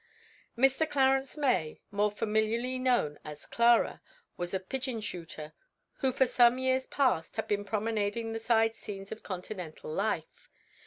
Mr. Clarence May, more familiarly known as Clara, was a pigeon shooter who for some years past had been promenading the side scenes of continental life.